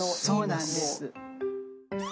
そうなんです。